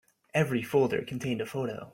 Every folder contained a photo.